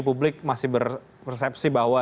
publik masih berpersepsi bahwa